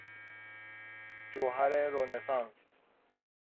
جوهر رنسانس